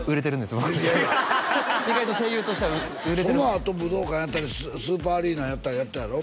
僕意外と声優としては売れてるそのあと武道館やったりスーパーアリーナやったりやったやろ？